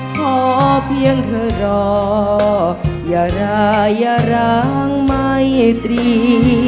ขอเพียงเธอรออย่าร้าอย่าร้างไม่ตรี